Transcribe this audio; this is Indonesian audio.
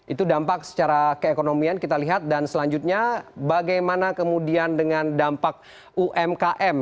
itu dampak secara keekonomian kita lihat dan selanjutnya bagaimana kemudian dengan dampak umkm